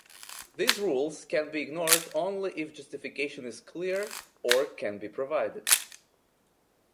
These rules can be ignored only if justification is clear, or can be provided.